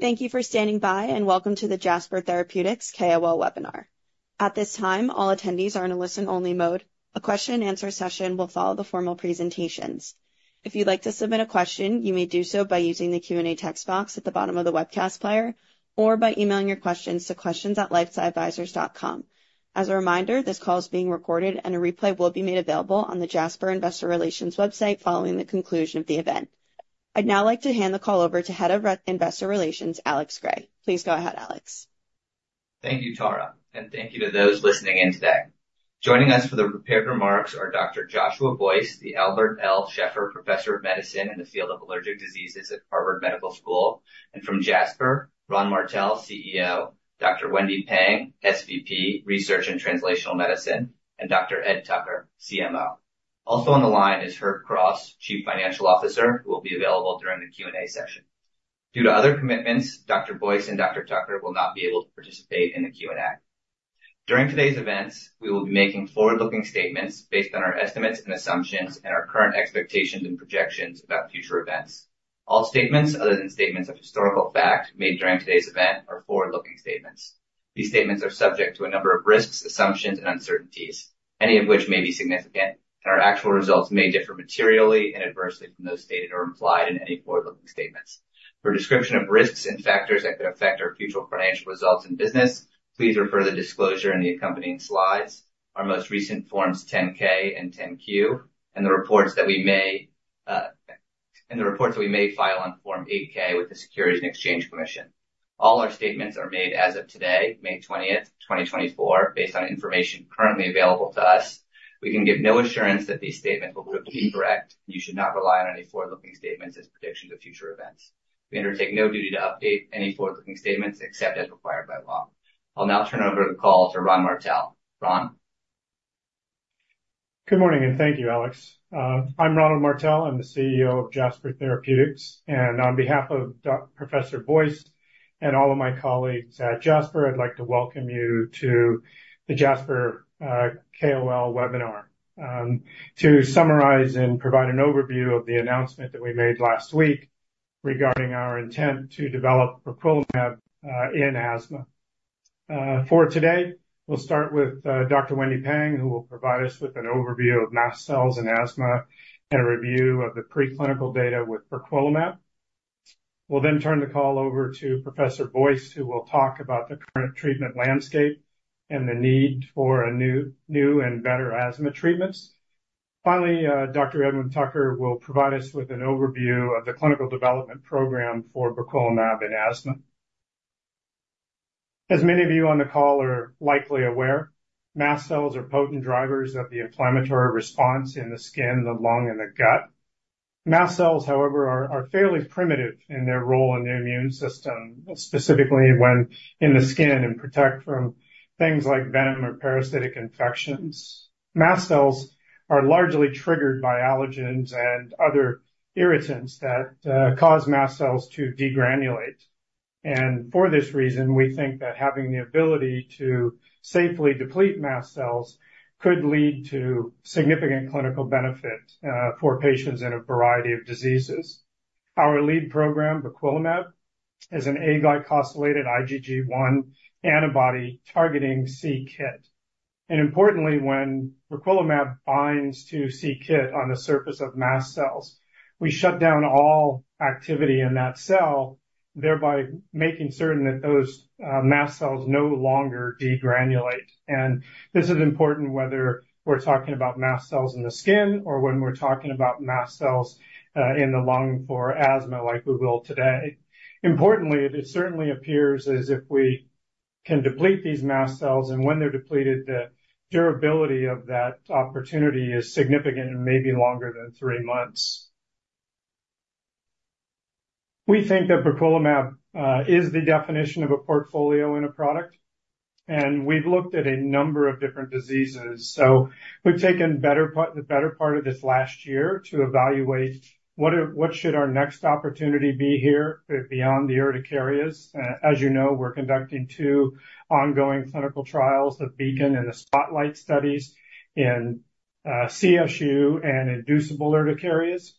Thank you for standing by, and welcome to the Jasper Therapeutics KOL Webinar. At this time, all attendees are in a listen-only mode. A question-and-answer session will follow the formal presentations. If you'd like to submit a question, you may do so by using the Q&A text box at the bottom of the webcast player or by emailing your questions to questions@lifesciadvisors.com. As a reminder, this call is being recorded, and a replay will be made available on the Jasper Investor Relations website following the conclusion of the event. I'd now like to hand the call over to Head of Investor Relations, Alex Gray. Please go ahead, Alex. Thank you, Tara, and thank you to those listening in today. Joining us for the prepared remarks are Dr. Joshua Boyce, the Albert L. Sheffer Professor of Medicine in the field of allergic diseases at Harvard Medical School. And from Jasper, Ron Martell, CEO, Dr. Wendy Pang, SVP, Research and Translational Medicine, and Dr. Ed Tucker, CMO. Also on the line is Herb Cross, Chief Financial Officer, who will be available during the Q&A session. Due to other commitments, Dr. Boyce and Dr. Tucker will not be able to participate in the Q&A. During today's events, we will be making forward-looking statements based on our estimates and assumptions and our current expectations and projections about future events. All statements other than statements of historical fact made during today's event are forward-looking statements. These statements are subject to a number of risks, assumptions, and uncertainties, any of which may be significant, and our actual results may differ materially and adversely from those stated or implied in any forward-looking statements. For a description of risks and factors that could affect our future financial results and business, please refer to the disclosure in the accompanying slides, our most recent Forms 10-K and 10-Q, and the reports that we may file on Form 8-K with the Securities and Exchange Commission. All our statements are made as of today, May 20, 2024, based on information currently available to us. We can give no assurance that these statements will prove to be correct. You should not rely on any forward-looking statements as predictions of future events. We undertake no duty to update any forward-looking statements, except as required by law. I'll now turn over the call to Ron Martell. Ron? Good morning, and thank you, Alex. I'm Ronald Martell. I'm the CEO of Jasper Therapeutics, and on behalf of Professor Boyce and all of my colleagues at Jasper, I'd like to welcome you to the Jasper KOL webinar. To summarize and provide an overview of the announcement that we made last week regarding our intent to develop briquilimab in asthma. For today, we'll start with Dr. Wendy Pang, who will provide us with an overview of mast cells in asthma and a review of the preclinical data with briquilimab. We'll then turn the call over to Professor Boyce, who will talk about the current treatment landscape and the need for a new and better asthma treatments. Finally, Dr. Edwin Tucker will provide us with an overview of the clinical development program for briquilimab in asthma. As many of you on the call are likely aware, mast cells are potent drivers of the inflammatory response in the skin, the lung, and the gut. Mast cells, however, are fairly primitive in their role in the immune system, specifically when in the skin, and protect from things like venom or parasitic infections. Mast cells are largely triggered by allergens and other irritants that cause mast cells to degranulate. For this reason, we think that having the ability to safely deplete mast cells could lead to significant clinical benefit for patients in a variety of diseases. Our lead program, briquilimab, is an aglycosylated IgG1 antibody targeting c-Kit. Importantly, when briquilimab binds to c-Kit on the surface of mast cells, we shut down all activity in that cell, thereby making certain that those mast cells no longer degranulate. This is important whether we're talking about mast cells in the skin or when we're talking about mast cells in the lung for asthma, like we will today. Importantly, it certainly appears as if we can deplete these mast cells, and when they're depleted, the durability of that opportunity is significant and may be longer than three months. We think that briquilimab is the definition of a portfolio in a product, and we've looked at a number of different diseases. We've taken better part, the better part of this last year to evaluate what should our next opportunity be here beyond the urticarias. As you know, we're conducting two ongoing clinical trials, the BEACON and the SPOTLIGHT studies in CSU and inducible urticarias.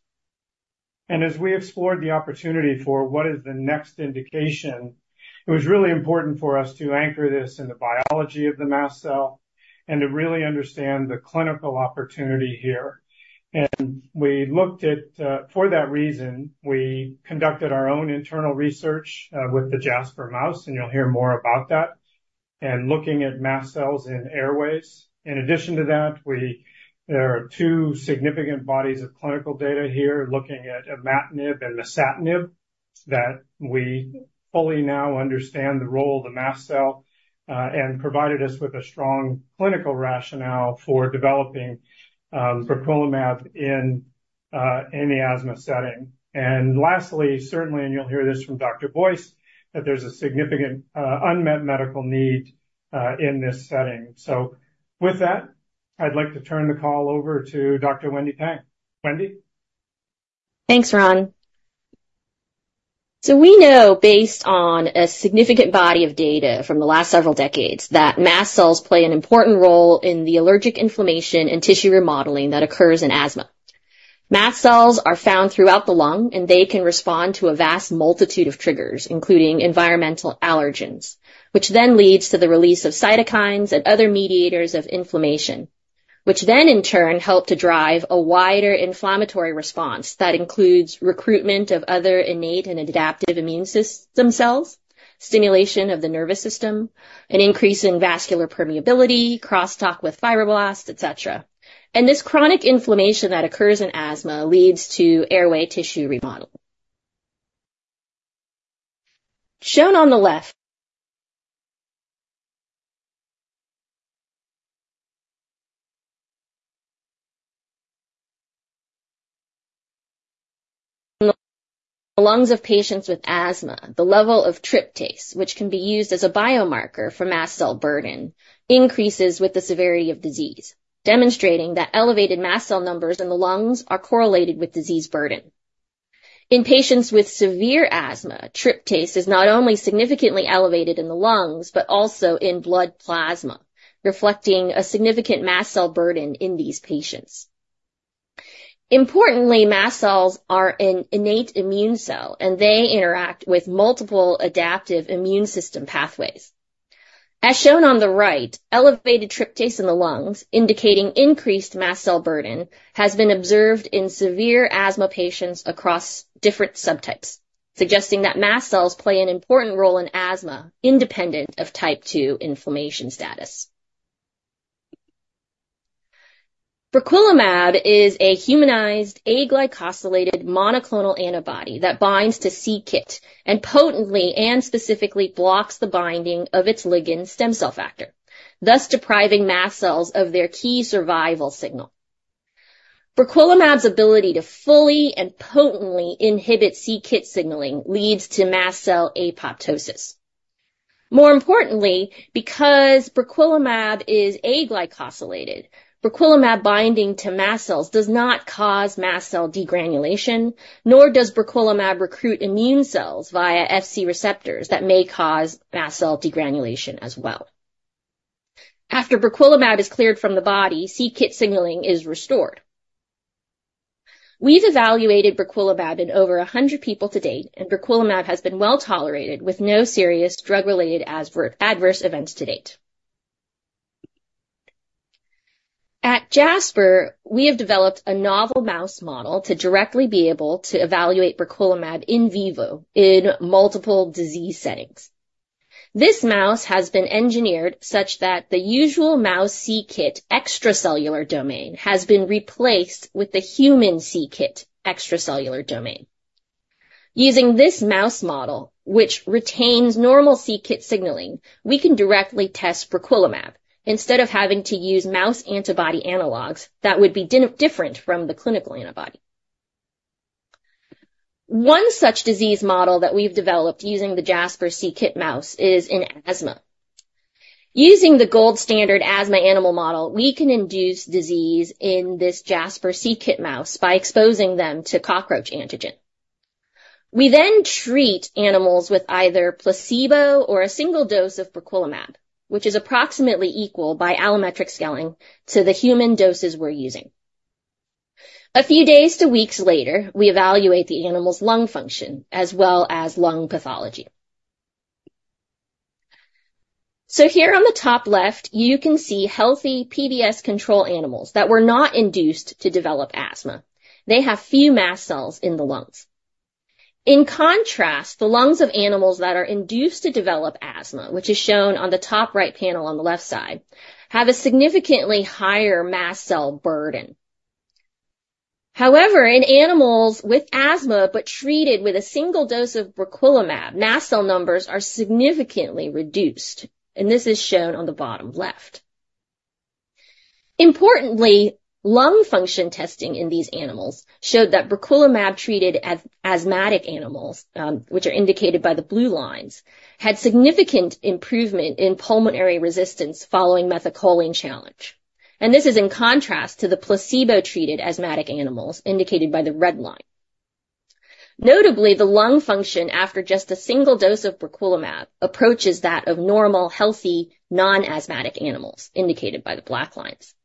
As we explored the opportunity for what is the next indication, it was really important for us to anchor this in the biology of the mast cell and to really understand the clinical opportunity here. For that reason, we conducted our own internal research with the Jasper mouse, and you'll hear more about that, and looking at mast cells in airways. In addition to that, there are two significant bodies of clinical data here looking at imatinib and masitinib, that we fully now understand the role of the mast cell, and provided us with a strong clinical rationale for developing briquilimab in the asthma setting. Lastly, certainly, and you'll hear this from Dr. Boyce, that there's a significant unmet medical need in this setting. With that, I'd like to turn the call over to Dr. Wendy Pang. Wendy? Thanks, Ron. So we know, based on a significant body of data from the last several decades, that mast cells play an important role in the allergic inflammation and tissue remodeling that occurs in asthma. Mast cells are found throughout the lung, and they can respond to a vast multitude of triggers, including environmental allergens, which then leads to the release of cytokines and other mediators of inflammation, which then, in turn, help to drive a wider inflammatory response that includes recruitment of other innate and adaptive immune system cells, stimulation of the nervous system, an increase in vascular permeability, crosstalk with fibroblasts, et cetera. And this chronic inflammation that occurs in asthma leads to airway tissue remodeling. Shown on the left, the lungs of patients with asthma, the level of tryptase, which can be used as a biomarker for mast cell burden, increases with the severity of disease, demonstrating that elevated mast cell numbers in the lungs are correlated with disease burden. In patients with severe asthma, tryptase is not only significantly elevated in the lungs but also in blood plasma, reflecting a significant mast cell burden in these patients. Importantly, mast cells are an innate immune cell, and they interact with multiple adaptive immune system pathways. As shown on the right, elevated tryptase in the lungs, indicating increased mast cell burden, has been observed in severe asthma patients across different subtypes, suggesting that mast cells play an important role in asthma independent of Type 2 inflammation status. Briquilimab is a humanized, aglycosylated monoclonal antibody that binds to c-Kit and potently and specifically blocks the binding of its ligand stem cell factor, thus depriving mast cells of their key survival signal. Briquilimab's ability to fully and potently inhibit c-Kit signaling leads to mast cell apoptosis. More importantly, because briquilimab is aglycosylated, briquilimab binding to mast cells does not cause mast cell degranulation, nor does briquilimab recruit immune cells via Fc receptors that may cause mast cell degranulation as well. After briquilimab is cleared from the body, c-Kit signaling is restored. We've evaluated briquilimab in over 100 people to date, and briquilimab has been well tolerated with no serious drug-related adverse events to date. At Jasper, we have developed a novel mouse model to directly be able to evaluate briquilimab in vivo in multiple disease settings. This mouse has been engineered such that the usual mouse c-Kit extracellular domain has been replaced with the human c-Kit extracellular domain. Using this mouse model, which retains normal c-Kit signaling, we can directly test briquilimab instead of having to use mouse antibody analogues that would be different from the clinical antibody. One such disease model that we've developed using the Jasper c-Kit mouse is in asthma. Using the gold standard asthma animal model, we can induce disease in this Jasper c-Kit mouse by exposing them to cockroach antigen. We then treat animals with either placebo or a single dose of briquilimab, which is approximately equal by allometric scaling to the human doses we're using. A few days to weeks later, we evaluate the animal's lung function as well as lung pathology. So here on the top left, you can see healthy PBS control animals that were not induced to develop asthma. They have few mast cells in the lungs. In contrast, the lungs of animals that are induced to develop asthma, which is shown on the top right panel on the left side, have a significantly higher mast cell burden. However, in animals with asthma but treated with a single dose of briquilimab, mast cell numbers are significantly reduced, and this is shown on the bottom left. Importantly, lung function testing in these animals showed that briquilimab-treated as, asthmatic animals, which are indicated by the blue lines, had significant improvement in pulmonary resistance following methacholine challenge, and this is in contrast to the placebo-treated asthmatic animals indicated by the red line. Notably, the lung function after just a single dose of briquilimab approaches that of normal, healthy, non-asthmatic animals, indicated by the black lines.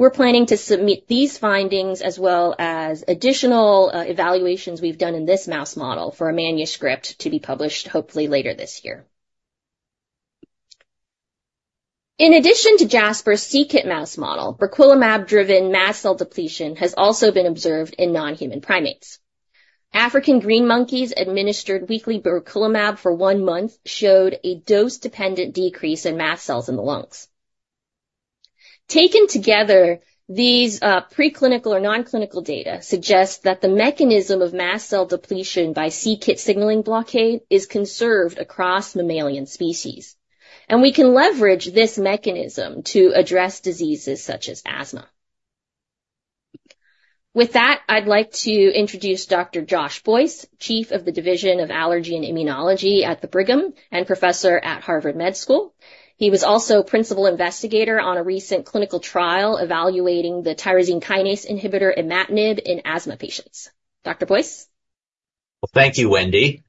We're planning to submit these findings, as well as additional, evaluations we've done in this mouse model, for a manuscript to be published hopefully later this year. In addition to Jasper's c-Kit mouse model, briquilimab-driven mast cell depletion has also been observed in non-human primates. African green monkeys administered weekly briquilimab for one month showed a dose-dependent decrease in mast cells in the lungs. Taken together, these preclinical or nonclinical data suggest that the mechanism of mast cell depletion by c-Kit signaling blockade is conserved across mammalian species, and we can leverage this mechanism to address diseases such as asthma. With that, I'd like to introduce Dr. Joshua Boyce, Chief of the Division of Allergy and Immunology at the Brigham and professor at Harvard Med School. He was also principal investigator on a recent clinical trial evaluating the tyrosine kinase inhibitor imatinib in asthma patients. Dr. Boyce? Well, thank you, Wendy.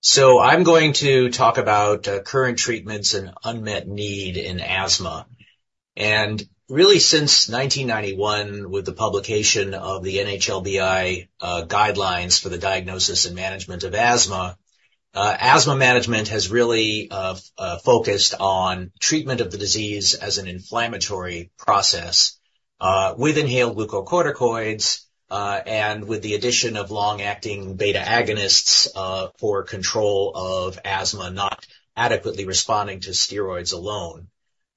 So I'm going to talk about current treatments and unmet need in asthma. And really, since 1991, with the publication of the NHLBI guidelines for the diagnosis and management of asthma, asthma management has really focused on treatment of the disease as an inflammatory process, with inhaled glucocorticoids, and with the addition of long-acting beta agonists, for control of asthma not adequately responding to steroids alone.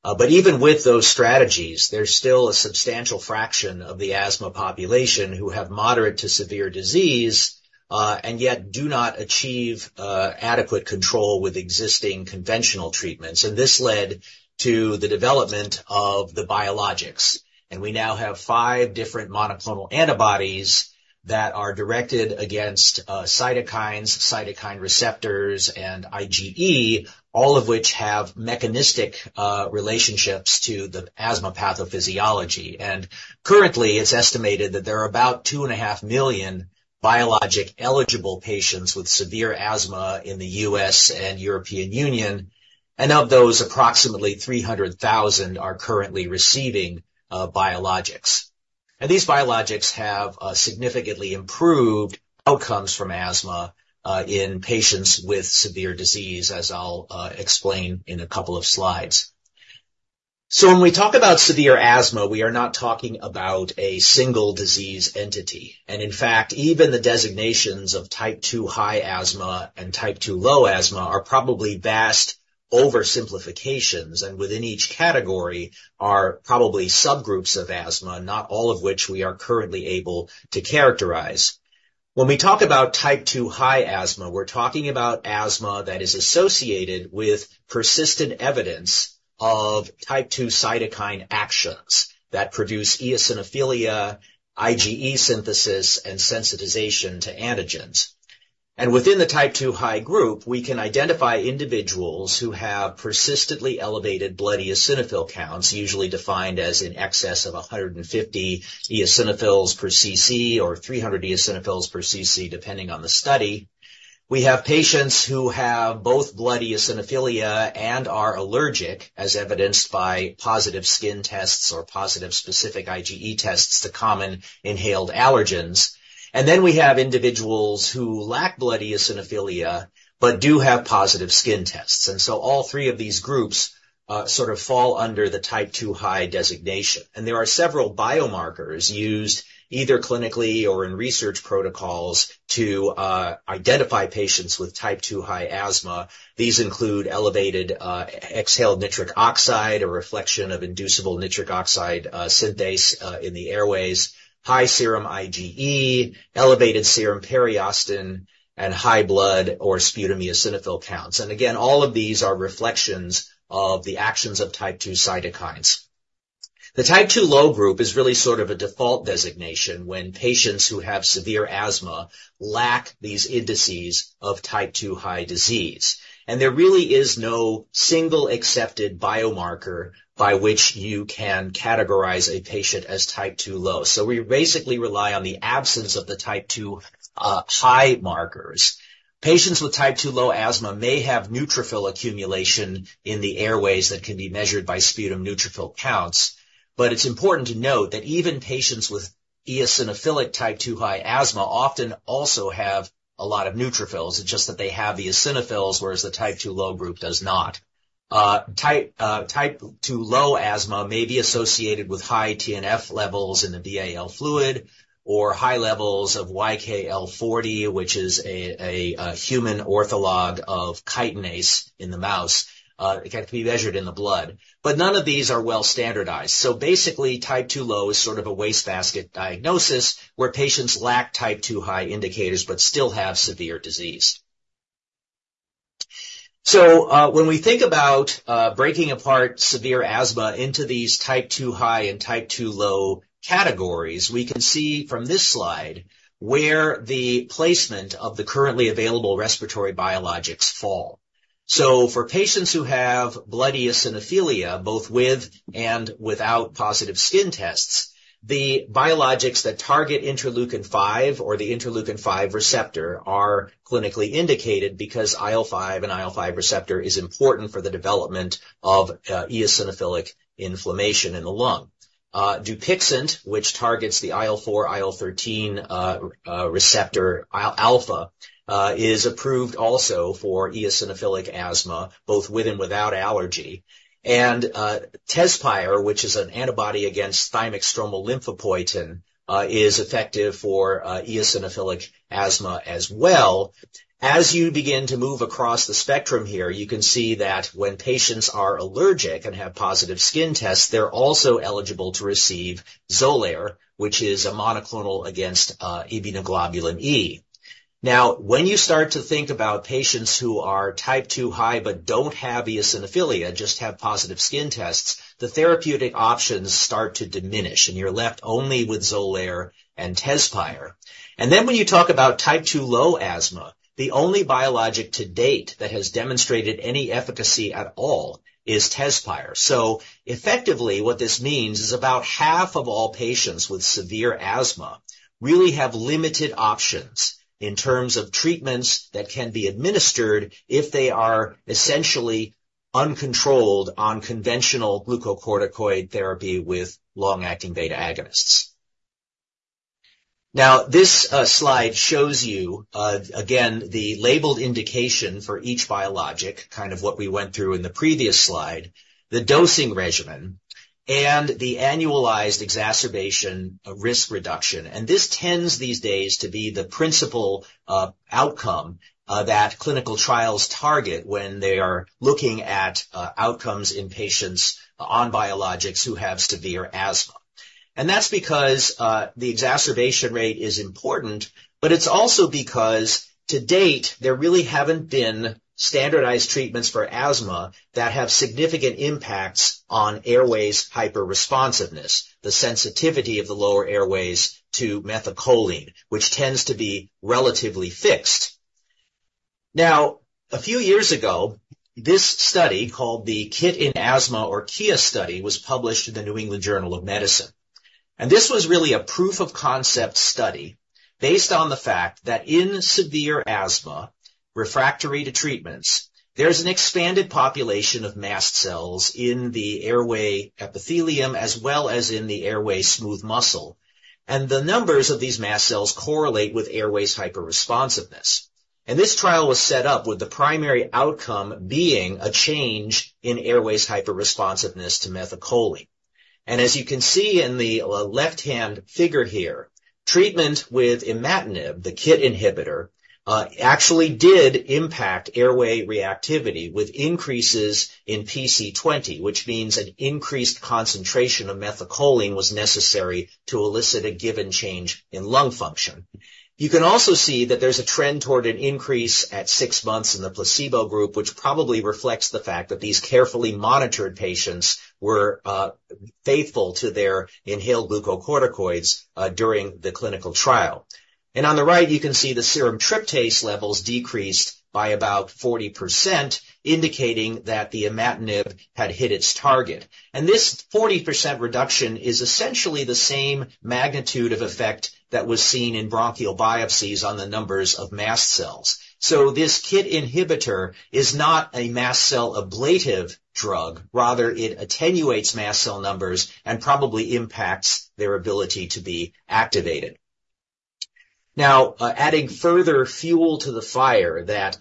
But even with those strategies, there's still a substantial fraction of the asthma population who have moderate to severe disease, and yet do not achieve adequate control with existing conventional treatments. And this led to the development of the biologics, and we now have five different monoclonal antibodies that are directed against, cytokines, cytokine receptors, and IgE, all of which have mechanistic, relationships to the asthma pathophysiology. And currently, it's estimated that there are about 2.5 million biologic-eligible patients with severe asthma in the US and European Union, and of those, approximately 300,000 are currently receiving, biologics. And these biologics have, significantly improved outcomes from asthma, in patients with severe disease, as I'll, explain in a couple of slides. So when we talk about severe asthma, we are not talking about a single disease entity. In fact, even the designations of Type 2 high asthma and Type 2 low asthma are probably vast oversimplifications, and within each category are probably subgroups of asthma, not all of which we are currently able to characterize. When we talk about Type 2 high asthma, we're talking about asthma that is associated with persistent evidence of Type 2 cytokine actions that produce eosinophilia, IgE synthesis, and sensitization to antigens. And within the Type 2 high group, we can identify individuals who have persistently elevated blood eosinophil counts, usually defined as in excess of 150 eosinophils per cc or 300 eosinophils per cc, depending on the study. We have patients who have both blood eosinophilia and are allergic, as evidenced by positive skin tests or positive specific IgE tests to common inhaled allergens. Then we have individuals who lack blood eosinophilia but do have positive skin tests. So all three of these groups sort of fall under the Type 2 high designation. There are several biomarkers used, either clinically or in research protocols, to identify patients with Type 2 high asthma. These include elevated exhaled nitric oxide, a reflection of inducible nitric oxide synthase in the airways, high serum IgE, elevated serum periostin, and high blood or sputum eosinophil counts. Again, all of these are reflections of the actions of Type 2 cytokines. The Type 2 low group is really sort of a default designation when patients who have severe asthma lack these indices of Type 2 high disease. There really is no single accepted biomarker by which you can categorize a patient as Type 2 low. So we basically rely on the absence of the Type 2 high markers. Patients with Type 2 low asthma may have neutrophil accumulation in the airways that can be measured by sputum neutrophil counts. But it's important to note that even patients with eosinophilic Type 2 high asthma often also have a lot of neutrophils. It's just that they have the eosinophils, whereas the Type 2 low group does not. Type 2 low asthma may be associated with high TNF levels in the BAL fluid or high levels of YKL-40, which is a human ortholog of chitinase in the mouse, that can be measured in the blood. But none of these are well standardized. So basically, Type 2 low is sort of a wastebasket diagnosis, where patients lack Type 2 high indicators but still have severe disease. When we think about breaking apart severe asthma into these Type 2 high and Type 2 low categories, we can see from this slide where the placement of the currently available respiratory biologics fall. For patients who have blood eosinophilia, both with and without positive skin tests, the biologics that target interleukin 5 or the interleukin 5 receptor are clinically indicated because IL-5 and IL-5 receptor is important for the development of eosinophilic inflammation in the lung. Dupixent, which targets the IL-4 / IL-13 receptor alpha, is approved also for eosinophilic asthma, both with and without allergy. Tezspire, which is an antibody against thymic stromal lymphopoietin, is effective for eosinophilic asthma as well. As you begin to move across the spectrum here, you can see that when patients are allergic and have positive skin tests, they're also eligible to receive Xolair, which is a monoclonal against immunoglobulin E. Now, when you start to think about patients who are Type 2 high but don't have eosinophilia, just have positive skin tests, the therapeutic options start to diminish, and you're left only with Xolair and Tezspire. Then when you talk about Type 2 low asthma, the only biologic to date that has demonstrated any efficacy at all is Tezspire. So effectively, what this means is about half of all patients with severe asthma really have limited options in terms of treatments that can be administered if they are essentially uncontrolled on conventional glucocorticoid therapy with long-acting beta agonists. Now, this slide shows you again, the labeled indication for each biologic, kind of what we went through in the previous slide, the dosing regimen and the annualized exacerbation risk reduction. And this tends these days to be the principal outcome that clinical trials target when they are looking at outcomes in patients on biologics who have severe asthma. And that's because the exacerbation rate is important, but it's also because, to date, there really haven't been standardized treatments for asthma that have significant impacts on airway hyperresponsiveness, the sensitivity of the lower airways to methacholine, which tends to be relatively fixed. Now, a few years ago, this study, called the KIT In Asthma or KIA study, was published in the New England Journal of Medicine, and this was really a proof of concept study based on the fact that in severe asthma, refractory to treatments, there's an expanded population of mast cells in the airway epithelium, as well as in the airway smooth muscle, and the numbers of these mast cells correlate with airway hyperresponsiveness. This trial was set up with the primary outcome being a change in airway hyperresponsiveness to methacholine. As you can see in the left-hand figure here, treatment with imatinib, the KIT inhibitor, actually did impact airway reactivity with increases in PC20, which means an increased concentration of methacholine was necessary to elicit a given change in lung function. You can also see that there's a trend toward an increase at 6 months in the placebo group, which probably reflects the fact that these carefully monitored patients were faithful to their inhaled glucocorticoids during the clinical trial. And on the right, you can see the serum tryptase levels decreased by about 40%, indicating that the imatinib had hit its target. And this 40% reduction is essentially the same magnitude of effect that was seen in bronchial biopsies on the numbers of mast cells. So this KIT inhibitor is not a mast cell ablative drug. Rather, it attenuates mast cell numbers and probably impacts their ability to be activated. Now, adding further fuel to the fire, that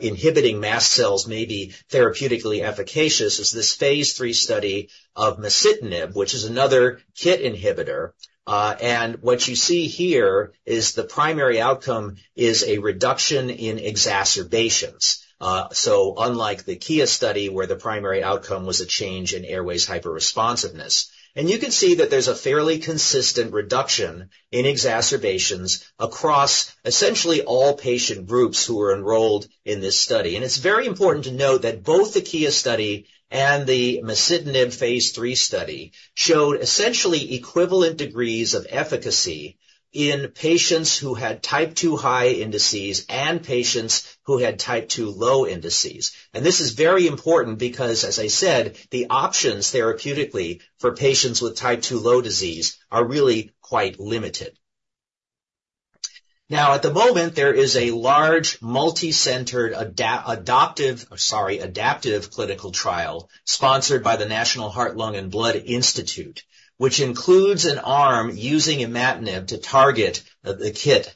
inhibiting mast cells may be therapeutically efficacious is this phase III study of masitinib, which is another KIT inhibitor. And what you see here is the primary outcome is a reduction in exacerbations. So unlike the KIA study, where the primary outcome was a change in airway hyperresponsiveness. You can see that there's a fairly consistent reduction in exacerbations across essentially all patient groups who were enrolled in this study. It's very important to note that both the KIA study and the masitinib phase III study showed essentially equivalent degrees of efficacy in patients who had Type 2 high indices and patients who had Type 2 low indices. This is very important because, as I said, the options therapeutically for patients with type 2 low disease are really quite limited. Now, at the moment, there is a large multi-centered adapt, adoptive—sorry, adaptive clinical trial sponsored by the National Heart, Lung, and Blood Institute, which includes an arm using imatinib to target the KIT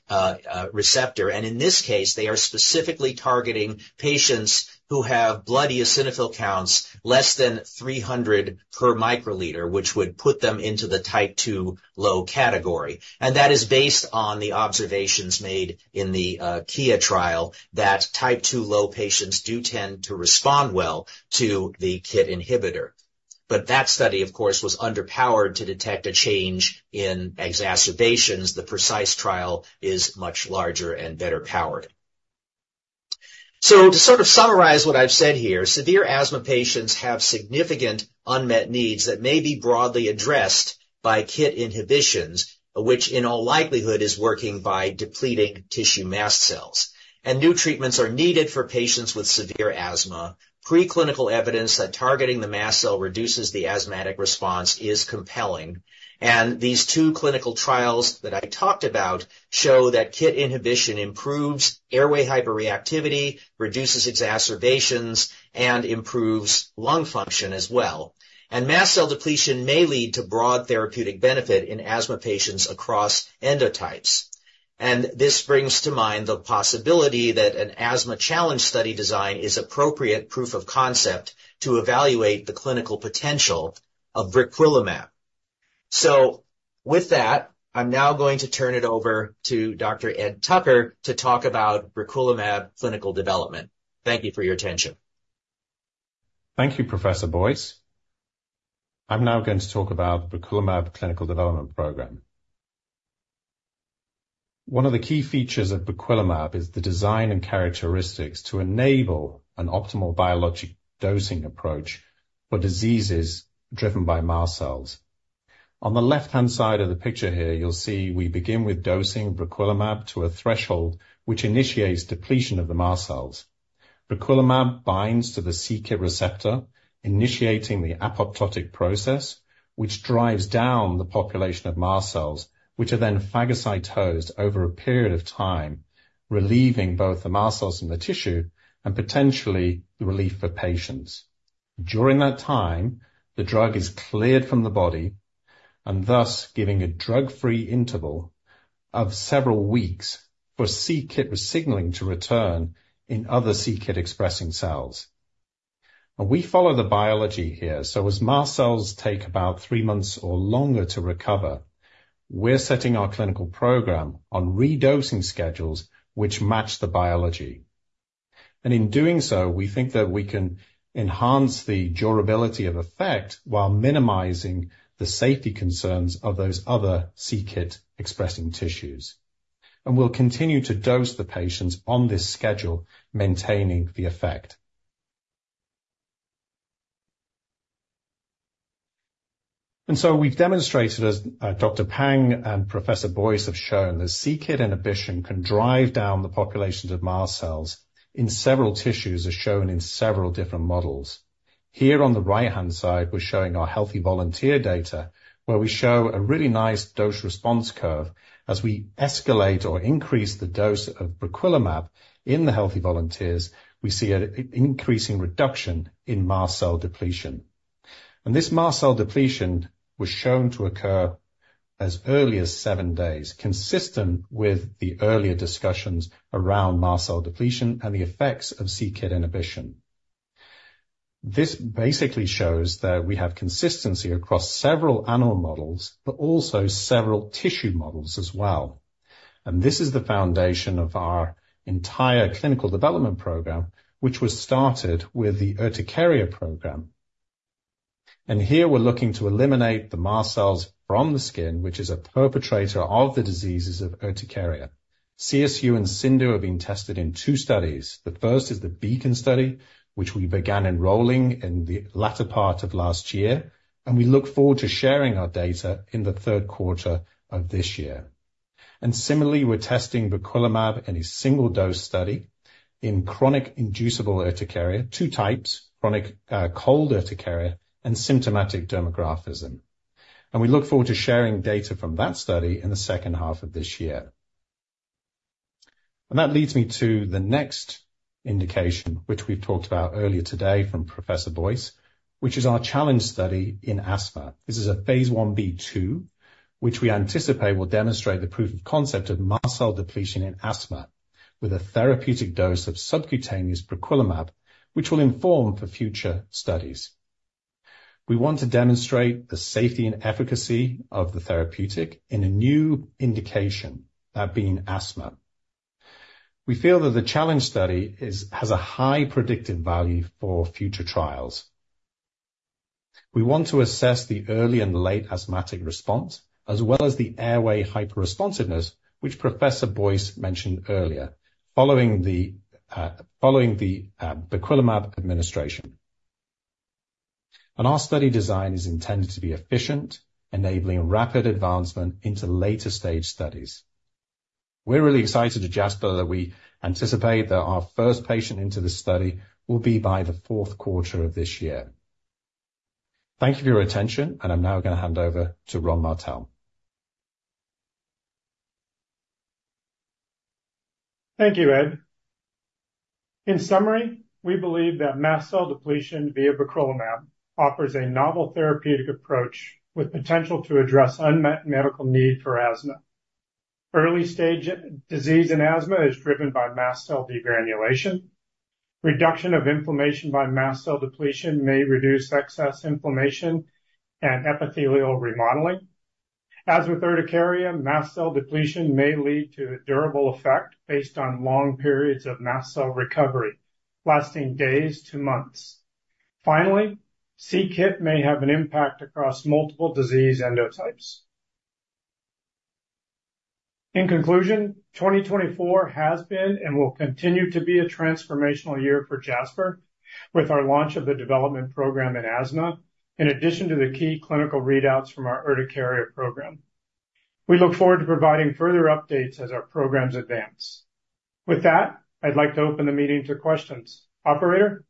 receptor. And in this case, they are specifically targeting patients who have blood eosinophil counts less than 300 per microliter, which would put them into the Type 2 low category. And that is based on the observations made in the KIA trial, that Type 2 low patients do tend to respond well to the KIT inhibitor. But that study, of course, was underpowered to detect a change in exacerbations. The PrecISE trial is much larger and better powered. So to sort of summarize what I've said here, severe asthma patients have significant unmet needs that may be broadly addressed by KIT inhibitions, which in all likelihood, is working by depleting tissue mast cells. New treatments are needed for patients with severe asthma. Preclinical evidence that targeting the mast cell reduces the asthmatic response is compelling, and these two clinical trials that I talked about show that KIT inhibition improves airway hyperreactivity, reduces exacerbations, and improves lung function as well. Mast cell depletion may lead to broad therapeutic benefit in asthma patients across endotypes. This brings to mind the possibility that an asthma challenge study design is appropriate proof of concept to evaluate the clinical potential of briquilimab. With that, I'm now going to turn it over to Dr. Ed Tucker to talk about briquilimab clinical development. Thank you for your attention. Thank you, Professor Boyce. I'm now going to talk about briquilimab clinical development program. One of the key features of briquilimab is the design and characteristics to enable an optimal biologic dosing approach for diseases driven by mast cells. On the left-hand side of the picture here, you'll see we begin with dosing briquilimab to a threshold which initiates depletion of the mast cells—briquilimab binds to the c-Kit receptor, initiating the apoptotic process, which drives down the population of mast cells, which are then phagocytosed over a period of time, relieving both the mast cells in the tissue and potentially the relief for patients. During that time, the drug is cleared from the body and thus giving a drug-free interval of several weeks for c-Kit signaling to return in other c-Kit-expressing cells. Now, we follow the biology here, so as mast cells take about three months or longer to recover, we're setting our clinical program on redosing schedules, which match the biology. And in doing so, we think that we can enhance the durability of effect while minimizing the safety concerns of those other c-Kit-expressing tissues. And we'll continue to dose the patients on this schedule, maintaining the effect. And so we've demonstrated, as Dr. Pang and Professor Boyce have shown, that c-Kit inhibition can drive down the populations of mast cells in several tissues, as shown in several different models. Here on the right-hand side, we're showing our healthy volunteer data, where we show a really nice dose-response curve. As we escalate or increase the dose of briquilimab in the healthy volunteers, we see an increasing reduction in mast cell depletion. And this mast cell depletion was shown to occur as early as seven days, consistent with the earlier discussions around mast cell depletion and the effects of c-Kit inhibition. This basically shows that we have consistency across several animal models, but also several tissue models as well. And this is the foundation of our entire clinical development program, which was started with the urticaria program. And here we're looking to eliminate the mast cells from the skin, which is a perpetrator of the diseases of urticaria. CSU and CIndU are being tested in two studies. The first is the BEACON study, which we began enrolling in the latter part of last year, and we look forward to sharing our data in the third quarter of this year. And similarly, we're testing briquilimab in a single-dose study in chronic inducible urticaria, two types, chronic cold urticaria and symptomatic dermatographism. We look forward to sharing data from that study in the second half of this year. That leads me to the next indication, which we've talked about earlier today from Professor Boyce, which is our challenge study in asthma. This is a phase I-B/II, which we anticipate will demonstrate the proof of concept of mast cell depletion in asthma with a therapeutic dose of subcutaneous briquilimab, which will inform for future studies. We want to demonstrate the safety and efficacy of the therapeutic in a new indication, that being asthma. We feel that the challenge study is, has a high predictive value for future trials. We want to assess the early and late asthmatic response, as well as the airway hyperresponsiveness, which Professor Boyce mentioned earlier, following the briquilimab administration. Our study design is intended to be efficient, enabling rapid advancement into later-stage studies. We're really excited at Jasper that we anticipate that our first patient into the study will be by the fourth quarter of this year. Thank you for your attention, and I'm now going to hand over to Ronald Martell. Thank you, Ed. In summary, we believe that mast cell depletion via briquilimab offers a novel therapeutic approach with potential to address unmet medical need for asthma. Early-stage disease in asthma is driven by mast cell degranulation. Reduction of inflammation by mast cell depletion may reduce excess inflammation and epithelial remodeling. As with urticaria, mast cell depletion may lead to a durable effect based on long periods of mast cell recovery, lasting days to months. Finally, c-Kit may have an impact across multiple disease endotypes. In conclusion, 2024 has been and will continue to be a transformational year for Jasper with our launch of the development program in asthma, in addition to the key clinical readouts from our urticaria program. We look forward to providing further updates as our programs advance. With that, I'd like to open the meeting to questions. Operator?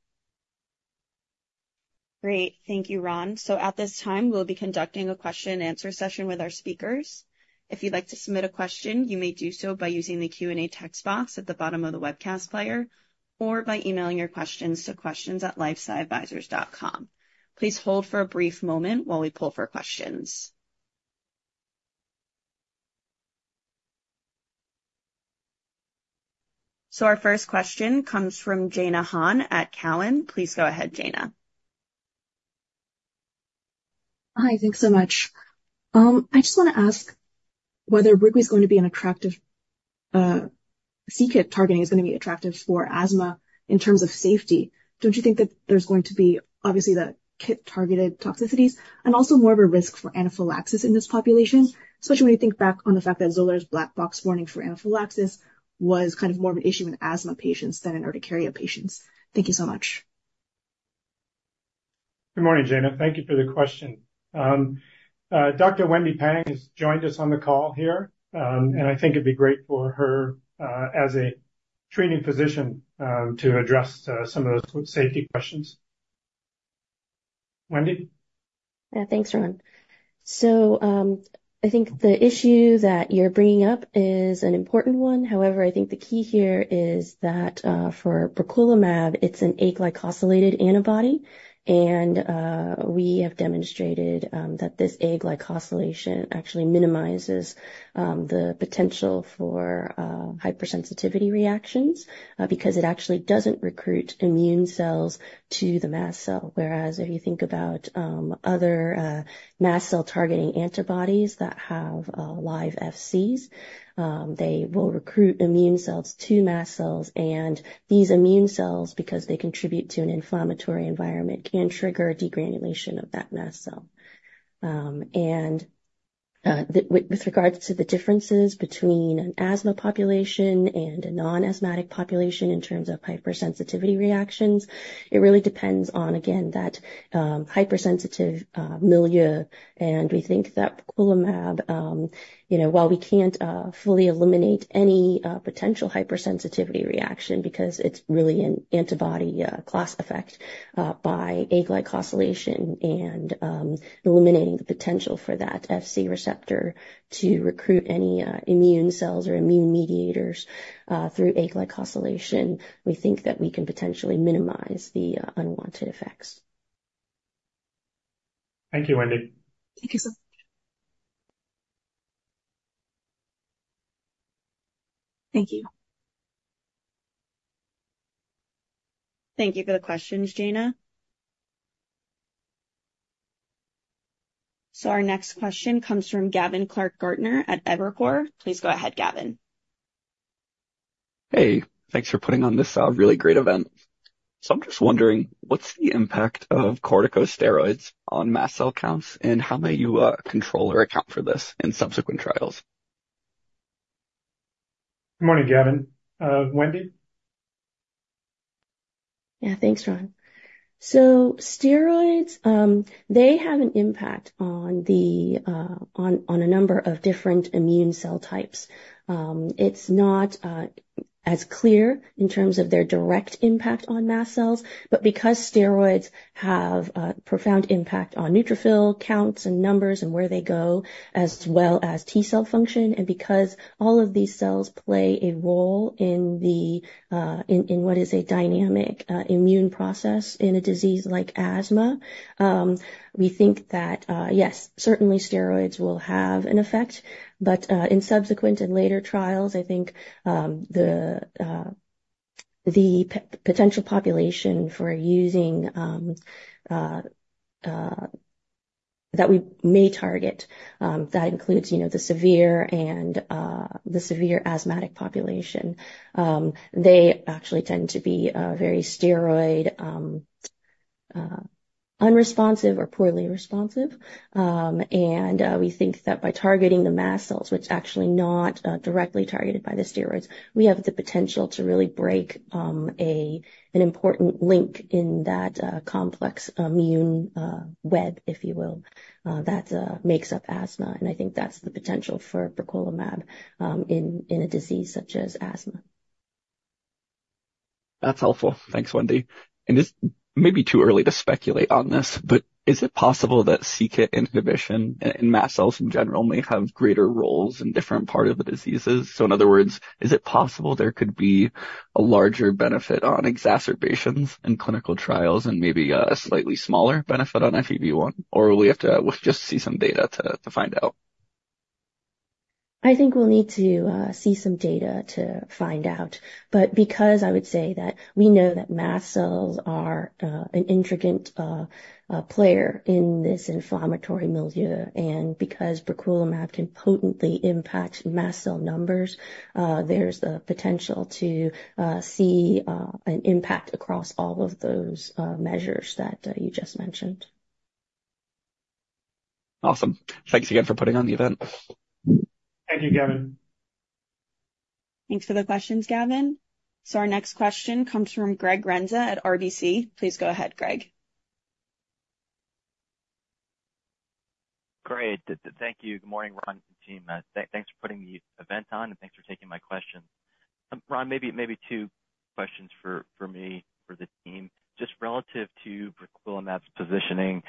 Great. Thank you, Ron. At this time, we'll be conducting a question-and-answer session with our speakers. If you'd like to submit a question, you may do so by using the Q&A text box at the bottom of the webcast player or by emailing your questions to questions@lifesciadvisors.com. Please hold for a brief moment while we pull for questions. Our first question comes from Jeanna Han at Cowen. Please go ahead, Jeanna. Hi, thanks so much. I just want to ask whether briquilimab is going to be an attractive, c-Kit targeting is going to be attractive for asthma in terms of safety. Don't you think that there's going to be obviously the c-Kit-targeted toxicities and also more of a risk for anaphylaxis in this population, especially when you think back on the fact that Xolair's black box warning for anaphylaxis was kind of more of an issue with asthma patients than in urticaria patients? Thank you so much. Good morning, Jeanna. Thank you for the question. Dr. Wendy Pang has joined us on the call here, and I think it'd be great for her, as a treating physician, to address some of those safety questions. Wendy? Yeah, thanks, Ron. So, I think the issue that you're bringing up is an important one. However, I think the key here is that for briquilimab, it's an aglycosylated antibody, and we have demonstrated that this aglycosylation actually minimizes the potential for hypersensitivity reactions because it actually doesn't recruit immune cells to the mast cell. Whereas if you think about other mast cell-targeting antibodies that have wild-type Fcs, they will recruit immune cells to mast cells, and these immune cells, because they contribute to an inflammatory environment, can trigger degranulation of that mast cell. And with regards to the differences between an asthma population and a non-asthmatic population in terms of hypersensitivity reactions, it really depends on again that hypersensitive milieu. And we think that briquilimab, you know, while we can't fully eliminate any potential hypersensitivity reaction, because it's really an antibody class effect, by aglycosylation and eliminating the potential for that Fc receptor to recruit any immune cells or immune mediators, through aglycosylation, we think that we can potentially minimize the unwanted effects. Thank you, Wendy. Thank you, sir. Thank you. Thank you for the questions, Jeanna. Our next question comes from Gavin Clark-Gartner at Evercore. Please go ahead, Gavin. Hey, thanks for putting on this, really great event. So I'm just wondering, what's the impact of corticosteroids on mast cell counts, and how may you, control or account for this in subsequent trials? Good morning, Gavin. Wendy? Yeah, thanks, Ron. So steroids, they have an impact on a number of different immune cell types. It's not as clear in terms of their direct impact on mast cells, but because steroids have a profound impact on neutrophil counts and numbers and where they go, as well as T-cell function, and because all of these cells play a role in what is a dynamic immune process in a disease like asthma, we think that yes, certainly steroids will have an effect, but in subsequent and later trials, I think, the potential population for using that we may target that includes, you know, the severe asthmatic population. They actually tend to be very steroid unresponsive or poorly responsive. We think that by targeting the mast cells, which are actually not directly targeted by the steroids, we have the potential to really break an important link in that complex immune web, if you will, that makes up asthma. And I think that's the potential for briquilimab in a disease such as asthma. That's helpful. Thanks, Wendy. And this may be too early to speculate on this, but is it possible that c-Kit inhibition and mast cells in general may have greater roles in different part of the diseases? So in other words, is it possible there could be a larger benefit on exacerbations in clinical trials and maybe a slightly smaller benefit on FEV1, or we have to just see some data to find out? I think we'll need to see some data to find out, but because I would say that we know that mast cells are an intricate player in this inflammatory milieu, and because briquilimab can potently impact mast cell numbers, there's the potential to see an impact across all of those measures that you just mentioned. Awesome. Thanks again for putting on the event. Thank you, Gavin. Thanks for the questions, Gavin. So our next question comes from Greg Renza at RBC. Please go ahead, Greg. Great. Thank you. Good morning, Ron and team. Thanks for putting the event on, and thanks for taking my questions. Ron, maybe two questions for me for the team. Just relative to briquilimab's positioning,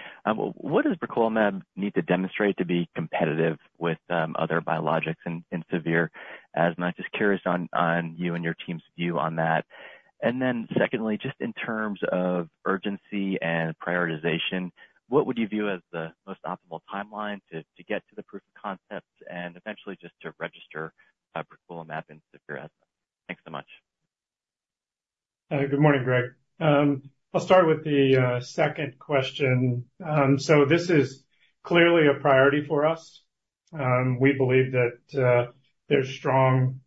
what does briquilimab need to demonstrate to be competitive with other biologics in severe asthma? Just curious on you and your team's view on that. And then secondly, just in terms of urgency and prioritization, what would you view as the most optimal timeline to get to the proof of concept and eventually just to register briquilimab in severe asthma? Thanks so much. Good morning, Greg. I'll start with the second question. So this is clearly a priority for us. We believe that there's strong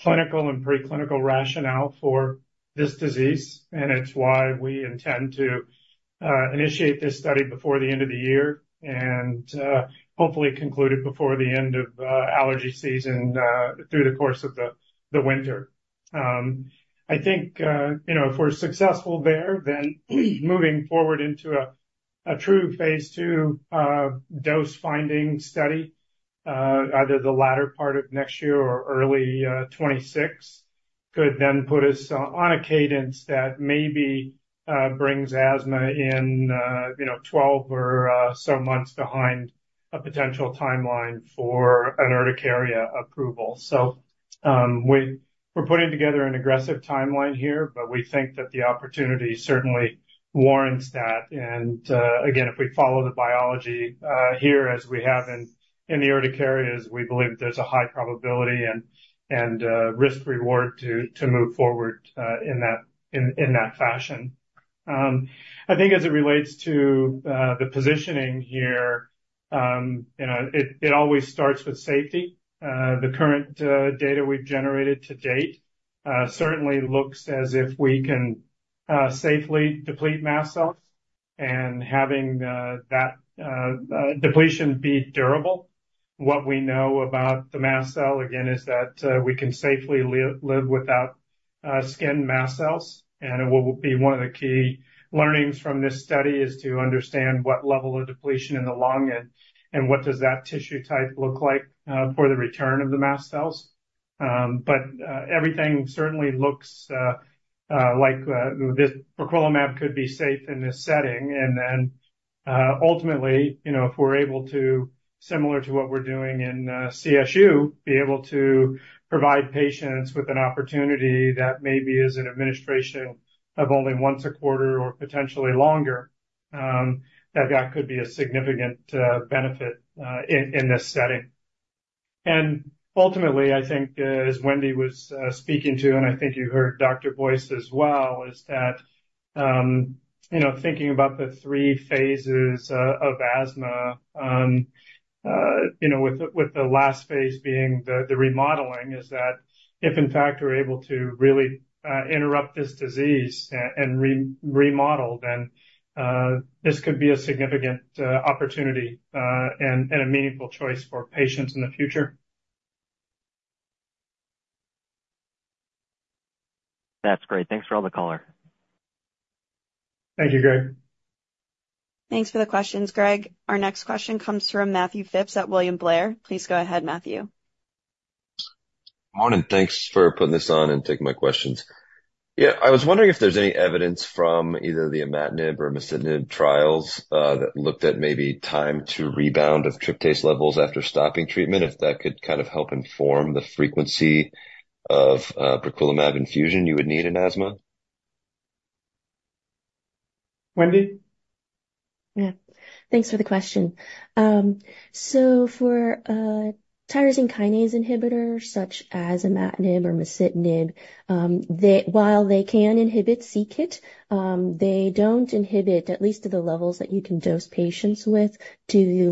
clinical and preclinical rationale for this disease, and it's why we intend to initiate this study before the end of the year and hopefully conclude it before the end of allergy season through the course of the winter. I think you know, if we're successful there, then moving forward into a true phase II dose-finding study, either the latter part of next year or early 2026, could then put us on a cadence that maybe brings asthma in you know, 12 or so months behind a potential timeline for an urticaria approval. We're putting together an aggressive timeline here, but we think that the opportunity certainly warrants that. Again, if we follow the biology here, as we have in the urticarias, we believe there's a high probability and risk reward to move forward in that fashion. I think as it relates to the positioning here, you know, it always starts with safety. The current data we've generated to date certainly looks as if we can safely deplete mast cells and having that depletion be durable. What we know about the mast cell, again, is that we can safely live without skin mast cells, and it will be one of the key learnings from this study, is to understand what level of depletion in the lung and what does that tissue type look like for the return of the mast cells. But everything certainly looks like this briquilimab could be safe in this setting. And then, ultimately, you know, if we're able to, similar to what we're doing in CSU, be able to provide patients with an opportunity that maybe is an administration of only once a quarter or potentially longer, that could be a significant benefit in this setting. And ultimately, I think, as Wendy was speaking to, and I think you heard Dr. Boyce as well, is that you know, thinking about the three phases of asthma, you know, with the last phase being the remodeling, is that if, in fact, we're able to really interrupt this disease and remodel, then this could be a significant opportunity, and a meaningful choice for patients in the future. That's great. Thanks for all the color. Thank you, Greg. Thanks for the questions, Greg. Our next question comes from Matthew Phipps at William Blair. Please go ahead, Matthew. Morning. Thanks for putting this on and taking my questions. Yeah, I was wondering if there's any evidence from either the imatinib or masitinib trials that looked at maybe time to rebound of tryptase levels after stopping treatment, if that could kind of help inform the frequency of briquilimab infusion you would need in asthma? Wendy? Yeah. Thanks for the question. So for tyrosine kinase inhibitor, such as imatinib or masitinib, they while they can inhibit c-Kit, they don't inhibit, at least to the levels that you can dose patients with, to the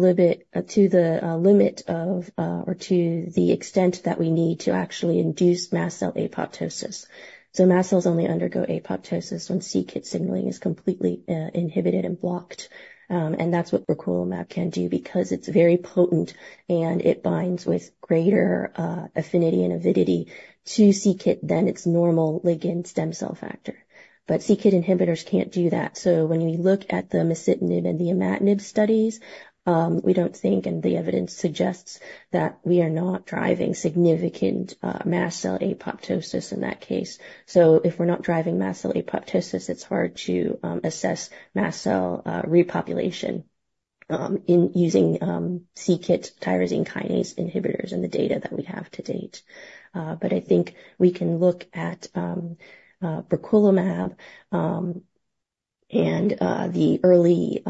limit, or to the extent that we need to actually induce mast cell apoptosis. So mast cells only undergo apoptosis when c-Kit signaling is completely inhibited and blocked. And that's what briquilimab can do, because it's very potent, and it binds with greater affinity and avidity to c-Kit than its normal ligand stem cell factor. But c-Kit inhibitors can't do that. So when we look at the masitinib and the imatinib studies, we don't think, and the evidence suggests, that we are not driving significant mast cell apoptosis in that case. So if we're not driving mast cell apoptosis, it's hard to assess mast cell repopulation in using c-Kit tyrosine kinase inhibitors in the data that we have to date. But I think we can look at briquilimab and the early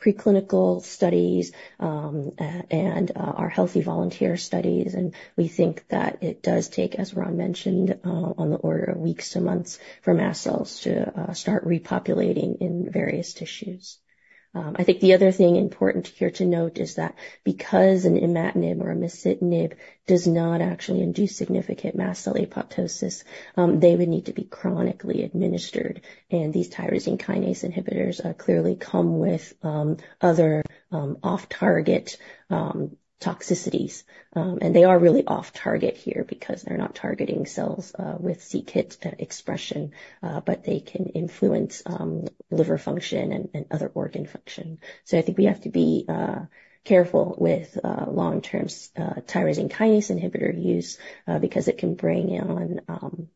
preclinical studies and our healthy volunteer studies, and we think that it does take, as Ron mentioned, on the order of weeks to months for mast cells to start repopulating in various tissues. I think the other thing important here to note is that because an imatinib or a masitinib does not actually induce significant mast cell apoptosis, they would need to be chronically administered, and these tyrosine kinase inhibitors clearly come with other off-target toxicities. And they are really off target here, because they're not targeting cells with c-Kit expression, but they can influence liver function and other organ function. So I think we have to be careful with long-term tyrosine kinase inhibitor use, because it can bring on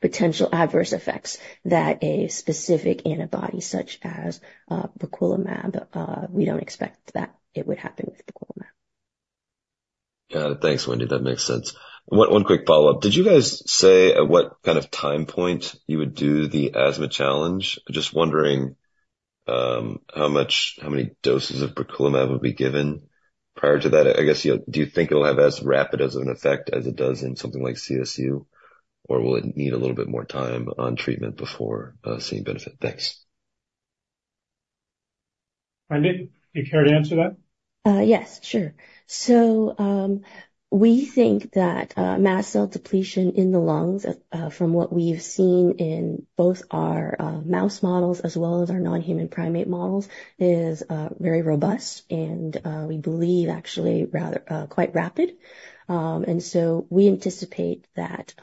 potential adverse effects that a specific antibody, such as briquilimab, we don't expect that it would happen with briquilimab. Got it. Thanks, Wendy. That makes sense. One quick follow-up. Did you guys say at what kind of time point you would do the asthma challenge? Just wondering, how many doses of briquilimab would be given prior to that? I guess, you know, do you think it'll have as rapid an effect as it does in something like CSU, or will it need a little bit more time on treatment before seeing benefit? Thanks. Wendy, do you care to answer that? Yes, sure. So, we think that mast cell depletion in the lungs, from what we've seen in both our mouse models as well as our non-human primate models, is very robust and we believe actually rather quite rapid. And so we anticipate that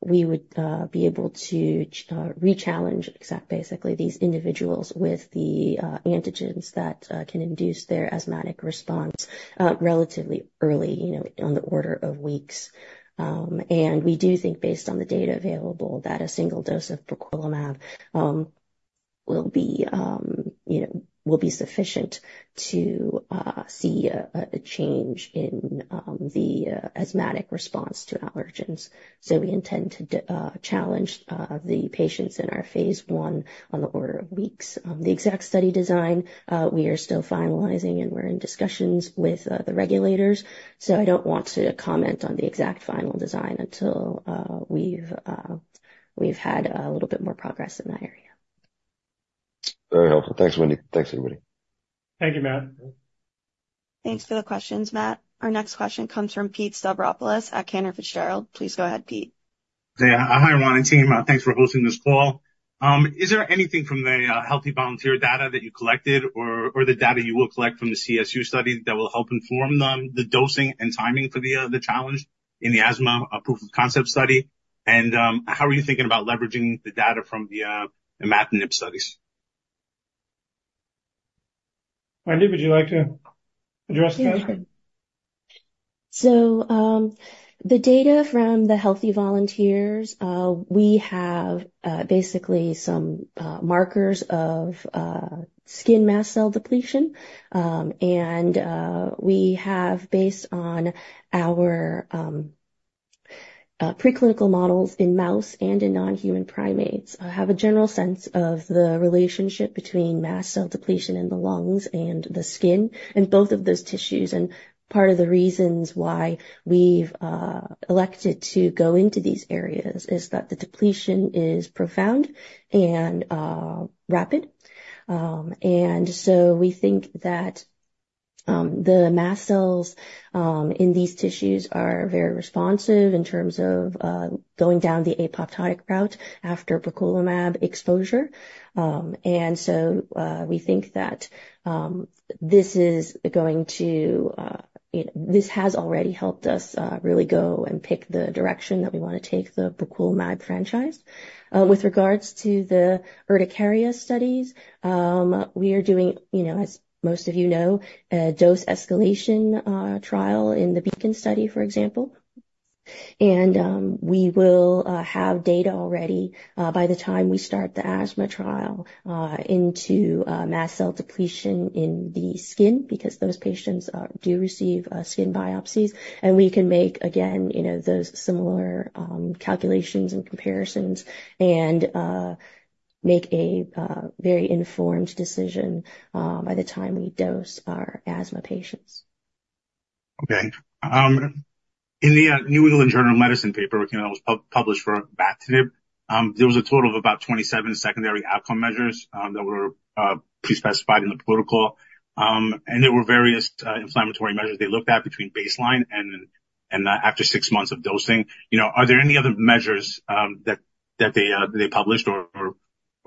we would be able to rechallenge basically these individuals with the antigens that can induce their asthmatic response relatively early, you know, on the order of weeks. And we do think, based on the data available, that a single dose of briquilimab will be, you know, will be sufficient to see a change in the asthmatic response to allergens. So we intend to challenge the patients in our phase one on the order of weeks. The exact study design, we are still finalizing, and we're in discussions with the regulators, so I don't want to comment on the exact final design until we've had a little bit more progress in that area. Very helpful. Thanks, Wendy. Thanks, everybody. Thank you, Matt. Thanks for the questions, Matt. Our next question comes from Pete Stavropoulos at Cantor Fitzgerald. Please go ahead, Pete. Yeah. Hi, Wendy and team. Thanks for hosting this call. Is there anything from the healthy volunteer data that you collected or the data you will collect from the CSU study that will help inform them, the dosing and timing for the challenge in the asthma proof of concept study? And how are you thinking about leveraging the data from the imatinib studies? Wendy, would you like to address that? Yeah, sure. So, the data from the healthy volunteers, we have basically some markers of skin mast cell depletion. And we have, based on our preclinical models in mouse and in non-human primates, a general sense of the relationship between mast cell depletion in the lungs and the skin, in both of those tissues. And part of the reasons why we've elected to go into these areas is that the depletion is profound and rapid. And so we think that the mast cells in these tissues are very responsive in terms of going down the apoptotic route after briquilimab exposure. And so, we think that this is going to, you know, this has already helped us really go and pick the direction that we want to take the briquilimab franchise. With regards to the urticaria studies, we are doing, you know, as most of you know, a dose escalation trial in the BEACON study, for example. And we will have data already by the time we start the asthma trial into mast cell depletion in the skin, because those patients do receive skin biopsies, and we can make, again, you know, those similar calculations and comparisons and make a very informed decision by the time we dose our asthma patients. Okay. In the New England Journal of Medicine paper, you know, that was published for imatinib, there was a total of about 27 secondary outcome measures that were pre-specified in the protocol. And there were various inflammatory measures they looked at between baseline and after six months of dosing. You know, are there any other measures that they published or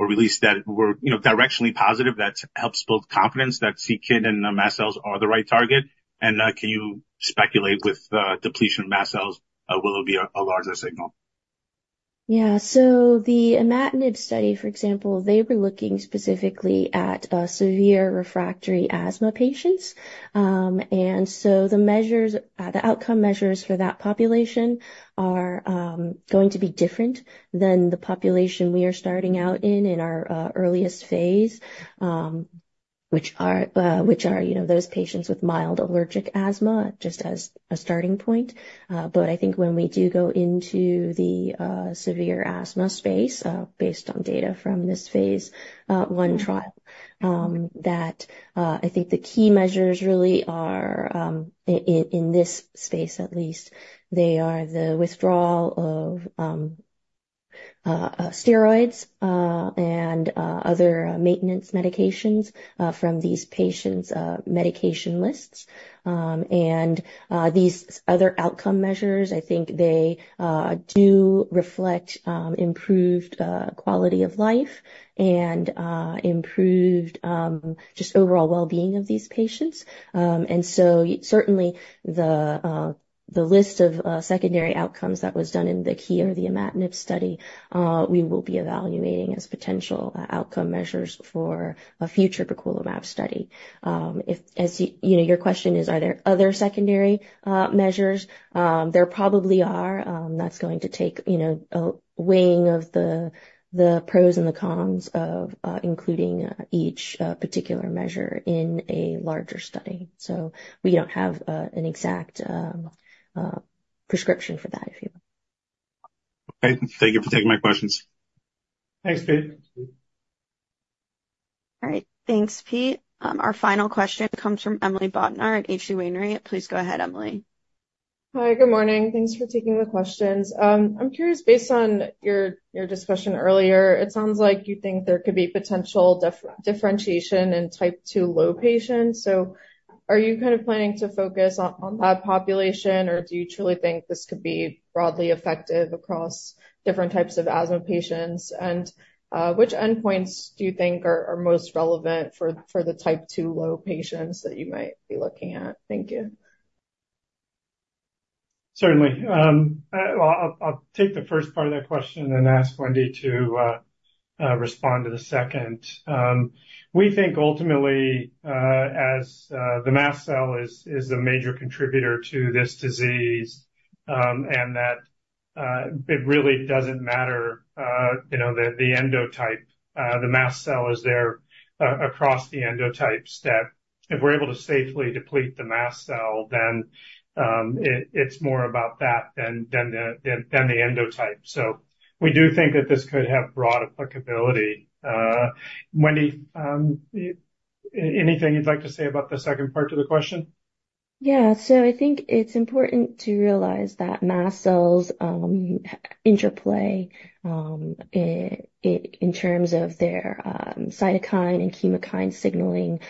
released that were, you know, directionally positive, that helps build confidence that c-Kit and the mast cells are the right target? And can you speculate with depletion of mast cells, will it be a larger signal? Yeah. So the imatinib study, for example, they were looking specifically at severe refractory asthma patients. And so the measures, the outcome measures for that population are going to be different than the population we are starting out in, in our earliest phase, which are, you know, those patients with mild allergic asthma, just as a starting point. But I think when we do go into the severe asthma space, based on data from this phase one trial, that I think the key measures really are in this space at least, they are the withdrawal of steroids and other maintenance medications from these patients' medication lists. And these other outcome measures, I think they do reflect improved quality of life and improved just overall well-being of these patients. And so certainly the list of secondary outcomes that was done in the KIA or the imatinib study, we will be evaluating as potential outcome measures for a future briquilimab study. If as you know, your question is, are there other secondary measures? There probably are. That's going to take you know, a weighing of the pros and the cons of including each particular measure in a larger study. So we don't have an exact prescription for that, if you will. Okay. Thank you for taking my questions. Thanks, Pete. All right. Thanks, Pete. Our final question comes from Emily Bodnar at H.C. Wainwright. Please go ahead, Emily. Hi, good morning. Thanks for taking the questions. I'm curious, based on your, your discussion earlier, it sounds like you think there could be potential differentiation in Type 2 low patients. So are you kind of planning to focus on, on that population, or do you truly think this could be broadly effective across different types of asthma patients? And, which endpoints do you think are, are most relevant for, for the Type 2 low patients that you might be looking at? Thank you. Certainly. Well, I'll take the first part of that question and then ask Wendy to respond to the second. We think ultimately, as the mast cell is a major contributor to this disease, and that it really doesn't matter, you know, the endotype. The mast cell is there across the endotypes, that if we're able to safely deplete the mast cell, then it's more about that than the endotype. So we do think that this could have broad applicability. Wendy, anything you'd like to say about the second part to the question? Yeah. So I think it's important to realize that mast cells interplay in terms of their cytokine and chemokine signaling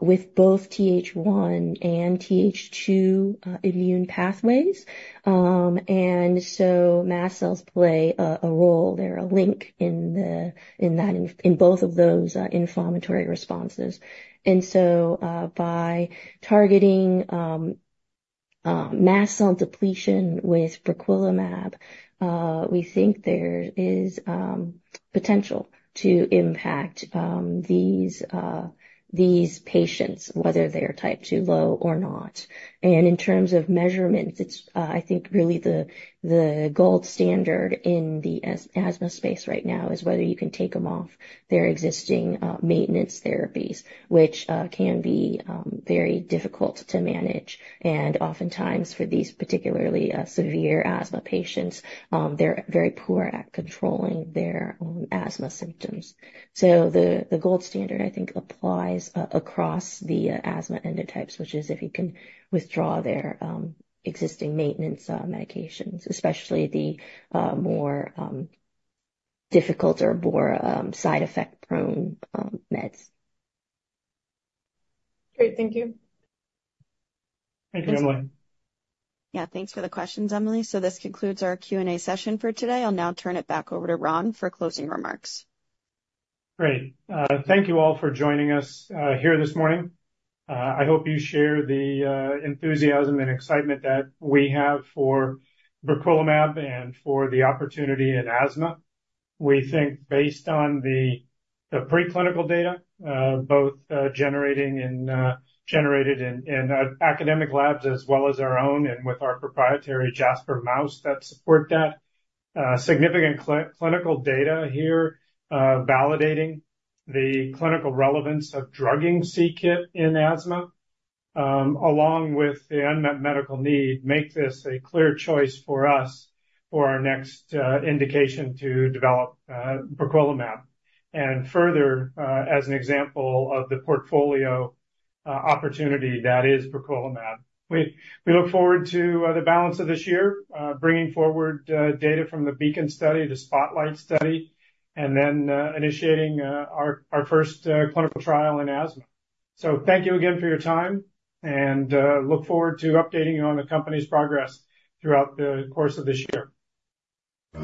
with both TH1 and TH2 immune pathways. So mast cells play a role. They're a link in both of those inflammatory responses. So by targeting mast cell depletion with briquilimab, we think there is potential to impact these patients, whether they are Type 2 low or not. In terms of measurements, it's, I think, really the gold standard in the asthma space right now is whether you can take them off their existing maintenance therapies, which can be very difficult to manage. And oftentimes, for these particularly severe asthma patients, they're very poor at controlling their asthma symptoms. So the gold standard, I think, applies across the asthma endotypes, which is if you can withdraw their existing maintenance medications, especially the more difficult or more side effect-prone meds. Great. Thank you. Thank you, Emily. Yeah, thanks for the questions, Emily. So this concludes our Q&A session for today. I'll now turn it back over to Ron for closing remarks. Great. Thank you all for joining us here this morning. I hope you share the enthusiasm and excitement that we have for briquilimab and for the opportunity in asthma. We think based on the preclinical data, both generating and generated in academic labs as well as our own and with our proprietary Jasper mouse that support that significant clinical data here validating the clinical relevance of drugging c-Kit in asthma, along with the unmet medical need, make this a clear choice for us for our next indication to develop briquilimab, and further as an example of the portfolio opportunity that is briquilimab. We look forward to the balance of this year, bringing forward data from the BEACON study, the SPOTLIGHT study, and then initiating our first clinical trial in asthma. So thank you again for your time, and look forward to updating you on the company's progress throughout the course of this year.